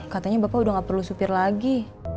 katanya bapak udah gak perlu supir lagi